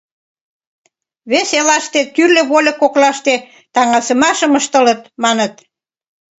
— Вес элыште тӱрлӧ вольык коклаште таҥасымашым ыштылыт, маныт.